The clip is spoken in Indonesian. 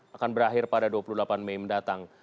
akan berakhir pada dua puluh delapan mei mendatang